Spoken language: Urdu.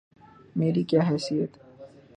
میری کیا حیثیت؟